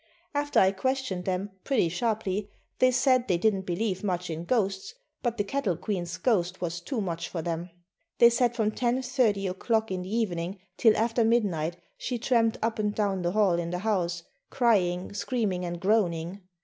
After I questioned them pretty sharply, they said they didn't believe much in ghosts, but the Cattle Queen's ghost was too much for them. They said from 10:30 o'clock in the evening till after midnight she tramped up and down the hall in the house, crying, screaming and groaning.